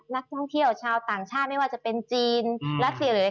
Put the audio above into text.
นักท่องเที่ยวชาวต่างชาติไม่ว่าจะเป็นจีนรัสเซียหรือ